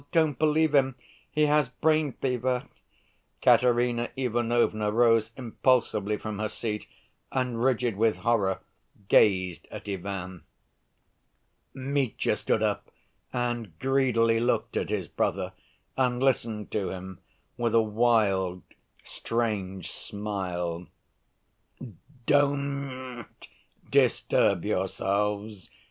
Don't believe him: he has brain fever." Katerina Ivanovna rose impulsively from her seat and, rigid with horror, gazed at Ivan. Mitya stood up and greedily looked at his brother and listened to him with a wild, strange smile. "Don't disturb yourselves.